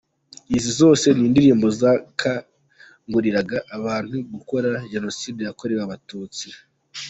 Izi zose ni indirimbo zakanguriraga abantu gukora Jenoside yakorewe abatutsi.